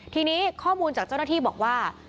ทีนี้ข้อมูลจากเจ้าหน้าที่บอกว่า